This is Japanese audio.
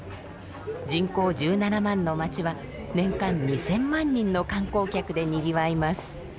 人口１７万の町は年間２，０００万人の観光客でにぎわいます。